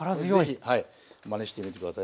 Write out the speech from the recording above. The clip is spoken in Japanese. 是非まねしてみて下さい。